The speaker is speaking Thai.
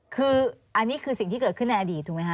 คืออันนี้คือสิ่งที่เกิดขึ้นในอดีตถูกไหมค